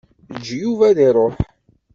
Eǧǧ Yuba ad iṛuḥ.